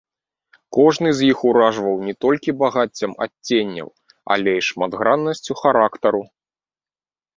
Кожны з іх уражваў не толькі багаццем адценняў, але і шматграннасцю характару.